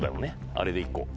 あれで１個。